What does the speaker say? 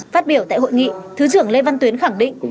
phát biểu tại hội nghị thứ trưởng lê văn tuyến khẳng định